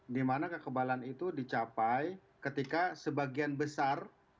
di mana kekebalan itu dicapai ketika sebagian besar